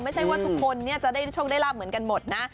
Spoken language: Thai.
ไม่ใช่ว่าทุกคนจะได้โชคได้ลาบเหมือนกันหมดนะ